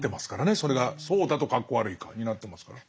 それがそうだと格好悪いか。になってますからね。